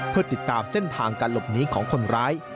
เพื่อติดตามเส้นทางการหลบหนีของคนร้าย